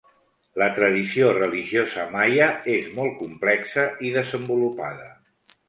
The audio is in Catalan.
La tradició religiosa maia és molt complexa i desenvolupada.